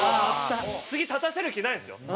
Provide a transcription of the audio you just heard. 次立たせる気ないんですよ。